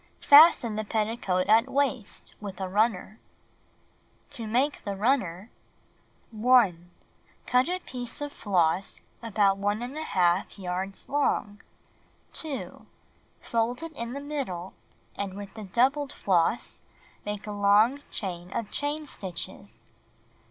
Fasten the petticoat at waist with a runner. To Make the Runner 1. Cut a piece of floss about 1^ yards long. 2. Fold it in the middle, and with the doubled floss, make ^11^^ a long chain of chain stitches.